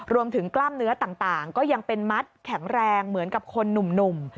กล้ามเนื้อต่างก็ยังเป็นมัดแข็งแรงเหมือนกับคนหนุ่ม